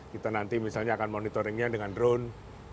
kita nanti misalnya akan monitoringnya dengan drone